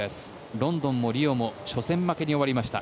ロンドンもリオも初戦負けに終わりました。